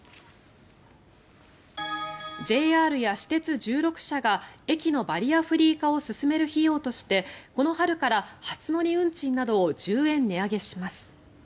ＪＲや私鉄１６社が駅のバリアフリー化を進める費用としてこの春から初乗り運賃などを１０円値上げします。